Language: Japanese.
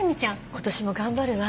今年も頑張るわ。